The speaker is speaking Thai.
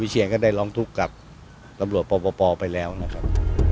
มีการที่จะพยายามติดศิลป์บ่นเจ้าพระงานนะครับ